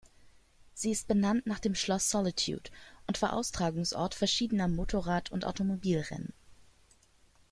Sie ist benannt nach dem Schloss Solitude und war Austragungsort verschiedener Motorrad- und Automobilrennen.